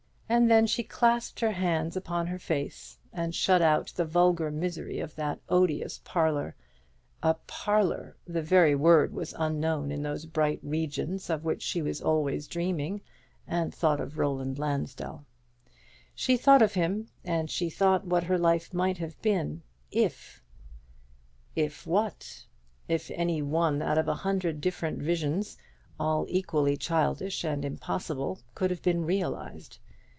And then she clasped her hands upon her face, and shut out the vulgar misery of that odious parlour a parlour! the very word was unknown in those bright regions of which she was always dreaming and thought of Roland Lansdell. She thought of him, and she thought what her life might have been if If what? If any one out of a hundred different visions, all equally childish and impossible, could have been realized.